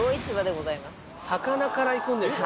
魚からいくんですね。